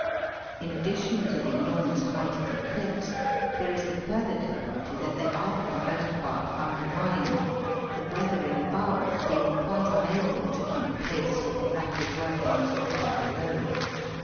In addition to the enormous height of the cliffs, there is the further difficulty that they are for the most part undermined, the weathering above being quite unable to keep pace with the rapid working of the river below.